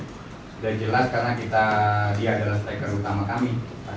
sudah jelas karena dia adalah striker utama kami